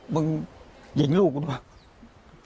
มันนี่หยิงลูกกูดูบะ